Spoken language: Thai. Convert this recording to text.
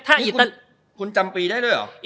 นี่คุณจำปีได้ด้วยเหรอ